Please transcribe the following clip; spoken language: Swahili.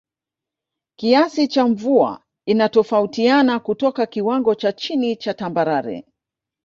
Kiasi cha mvua inatofautiana kutoka kiwango cha chini cha Tambarare